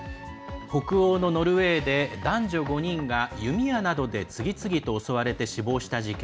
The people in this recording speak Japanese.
北欧のノルウェーで男女５人が弓矢などで次々と襲われて死亡した事件。